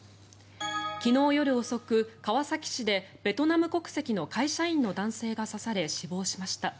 昨日夜遅く、川崎市でベトナム国籍の会社員の男性が刺され死亡しました。